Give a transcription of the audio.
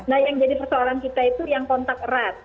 nah yang jadi persoalan kita itu yang kontak erat